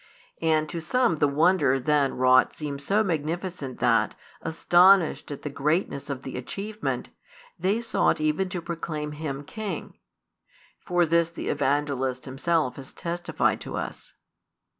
And to some the wonder then wrought seemed so magnificent that, astonished at the greatness of the achievement, they sought even to proclaim Him king; for this the Evangelist himself has testified to us.